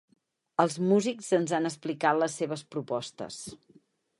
Els músics ens han explicat les seves propostes.